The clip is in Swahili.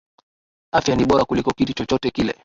Afya ni bora kuliko kitu chcochote kile